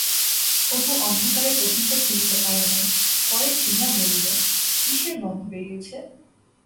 অপু অন্ধকারে প্রথমটা চিনিতে পারে নাই, পরে চিনিয়া বলিল, কিসের গন্ধ বেরিয়েছে।